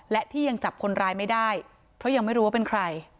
และที่ยังจับคนร้ายไม่ได้เพราะยังไม่รู้ว่าเป็นใคร